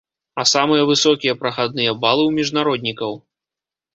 А самыя высокія прахадныя балы ў міжнароднікаў.